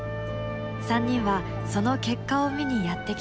３人はその結果を見にやって来たのです。